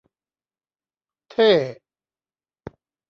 เท่